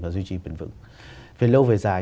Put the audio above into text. duy trì bền vững về lâu về dài